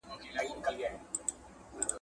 پرهار ته مي راغلي مرهمونه تښتوي!